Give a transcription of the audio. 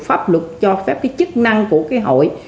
pháp luật cho phép cái chức năng của cái hội